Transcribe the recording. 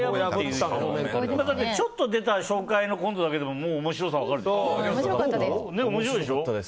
ちょっと出た紹介のコントだけでももう面白さが分かるでしょ。